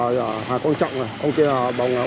khiến chủ nhà thiệt mạng